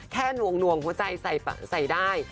แค่หนวงหัวใจใส่ได้